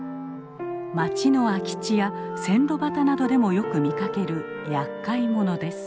町の空き地や線路端などでもよく見かけるやっかい者です。